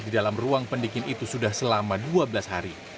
di dalam ruang pendingin itu sudah selama dua belas hari